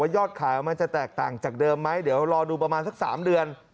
ยอดขายมันจะแตกต่างจากเดิมไหมเดี๋ยวรอดูประมาณสัก๓เดือน